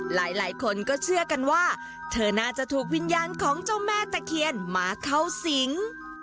หลายคนก็เชื่อกันว่าเธอน่าจะถูกวิญญาณของเจ้าแม่ตะเคียนมาเข้าสิง